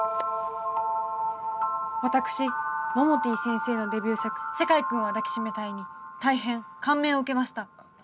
私モモティ先生のデビュー作「世界くんは抱きしめたい」に大変感銘を受けました。